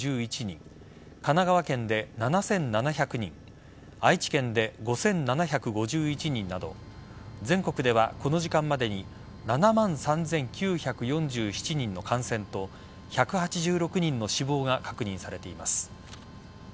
神奈川県で７７００人愛知県で５７５１人など全国ではこの時間までに７万３９４７人の感染と１８６人の死亡が確認されています。